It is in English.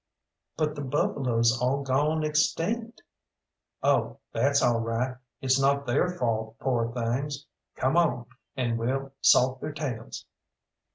"But the buffalo's all gawn extinct!" "Oh, that's all right; it's not their fault, poor things. Come on, and we'll salt their tails."